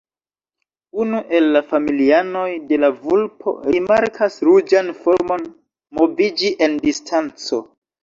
Unu el la familianoj de la vulpo rimarkas ruĝan formon moviĝi en distanco.